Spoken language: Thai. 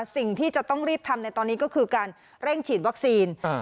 สิ่งที่จะต้องรีบทำในตอนนี้ก็คือการเร่งฉีดวัคซีน